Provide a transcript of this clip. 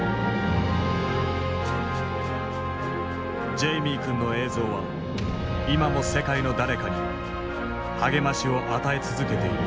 ジェイミー君の映像は今も世界の誰かに励ましを与え続けている。